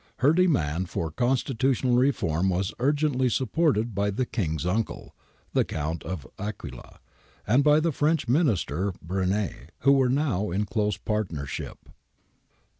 Her demand for constitutional reform was urgently supported by the King's uncle, the Count of Aquila, and by the French Minister, Brenier, who were now in close partnership.'